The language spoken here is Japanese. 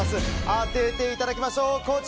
当てていただきましょう。